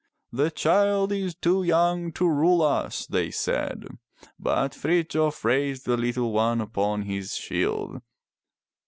"The child is too young to rule us," they said. But Frithjof raised the little one upon his shield.